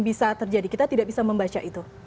bisa terjadi kita tidak bisa membaca itu